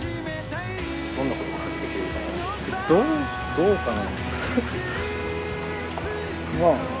どうかな。